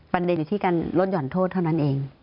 ประเด็นอยู่ที่การลดห่อนโทษเท่านั้นเอง